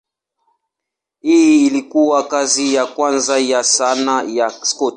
Hii ilikuwa kazi ya kwanza ya sanaa ya Scott.